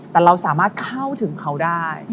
แต่เราสามารถเข้าถึงเขาได้